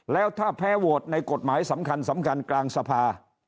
แล้วถ้าแพ้โหวตในกฎหมายสำคัญกลางสภา